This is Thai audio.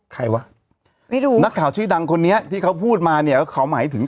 ใครวะไม่รู้นักข่าวชื่อดังคนนี้ที่เขาพูดมาเนี่ยเขาหมายถึง